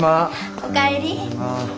おかえり。